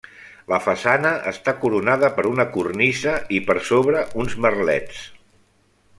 La façana està coronada per una cornisa i per sobre uns merlets.